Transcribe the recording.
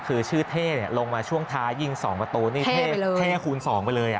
คือชื่อเท่ลงมาช่วงท้ายิง๒ประตูนี่เท่คูณ๒ไปเลย